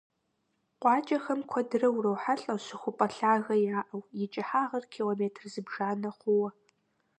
КъуакӀэхэм куэдрэ урохьэлӀэ щыхупӀэ лъагэ яӀэу, и кӀыхьагъыр километр зыбжанэ хъууэ.